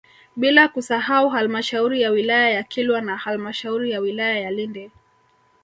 Bila kusahau Halmashauri ya wilaya ya Kilwa na halmashauri ya wilaya ya Lindi